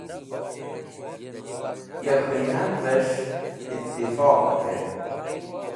Ya k̃hũynan’ves̃h itifoq kert.